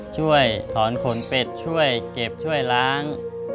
ช่วยถอนขนเป็ดช่วยเก็บช่วยล้าง